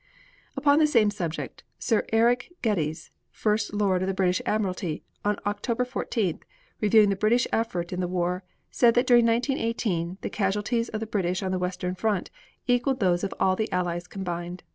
Upon the same subject, Sir Eric Geddes, First Lord of the British Admiralty, on October 14th, reviewing the British effort in the war said that during 1918 the casualties of the British on the western front equaled those of all the Allies combined.